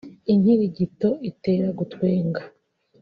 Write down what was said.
Inkirigito itera gutwenga